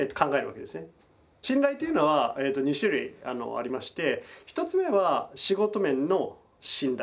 信頼というのは２種類ありまして１つ目は仕事面の信頼。